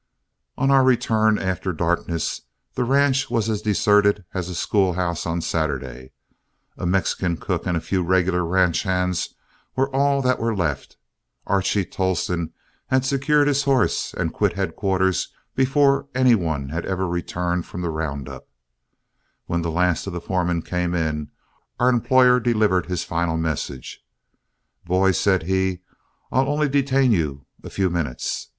On our return after darkness, the ranch was as deserted as a school house on Saturday. A Mexican cook and a few regular ranch hands were all that were left. Archie Tolleston had secured his horse and quit headquarters before any one had even returned from the round up. When the last of the foremen came in, our employer delivered his final messages. "Boys," said he, "I'll only detain you a few minutes.